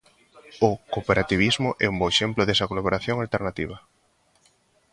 O cooperativismo é un bo exemplo desa colaboración alternativa.